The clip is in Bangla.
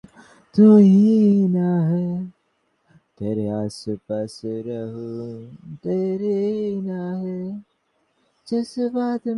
ওহ, খোদা, মাত্র কি হোগা মারার কথা বললে?